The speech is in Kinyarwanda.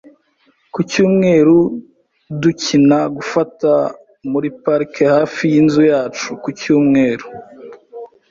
Ku cyumweru, dukina gufata muri parike hafi yinzu yacu ku cyumweru .